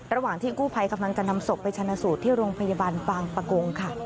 ระหว่างที่กู้ภัยกำลังจะนำศพไปชนะสูตรที่โรงพยาบาลบางปะโกงค่ะ